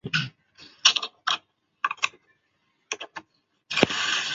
这些作品已到达调性的底线。